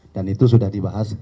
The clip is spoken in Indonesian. dan itu sudah dibahas